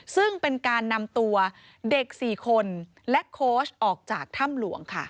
ซึ่งเป็นการนำตัวเด็ก๔คนและโค้ชออกจากถ้ำหลวงค่ะ